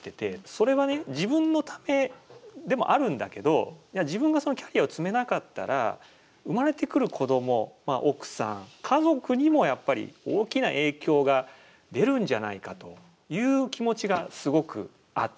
それはね自分のためでもあるんだけどいや自分がそのキャリアを積めなかったら生まれてくる子ども奥さん家族にもやっぱり大きな影響が出るんじゃないかという気持ちがすごくあったんですよ。